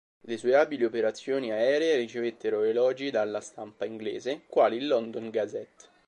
Le sue abili operazioni aeree ricevettero elogi dalla stampa inglese, quali il "London Gazette".